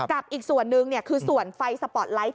กับอีกส่วนหนึ่งคือส่วนไฟสปอร์ตไลท์